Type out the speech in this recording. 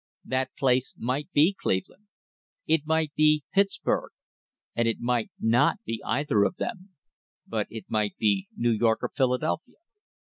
That place might be Cleveland; it might be Pittsburg, or it might not be either of them; but it might be New York or Philadelphia.